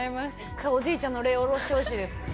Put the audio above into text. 一回おじいちゃんの霊降ろしてほしいです。